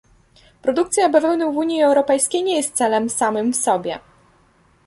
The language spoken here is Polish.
Produkcja bawełny w Unii Europejskiej nie jest celem samym w sobie